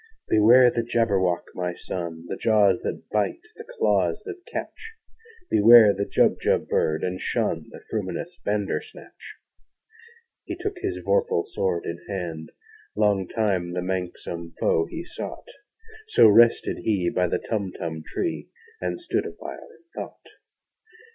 "Beware the Jabberwock, my son! The jaws that bite, the claws that catch! Beware the Jubjub bird, and shun The frumious Bandersnatch!" He took his vorpal sword in hand: Long time the manxome foe he sought So rested he by the Tumtum tree, And stood awhile in thought.